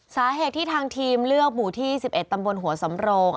สาเหตุที่ทางทีมเลือกหมู่ที่๑๑ตำบลหัวสำโรง